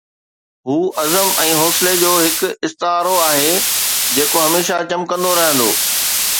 هو عزم ۽ حوصلي جو هڪ استعارو آهي، جيڪو هميشه چمڪندو رهندو